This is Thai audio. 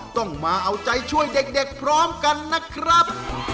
ต้องมาเอาใจช่วยเด็กพร้อมกันนะครับ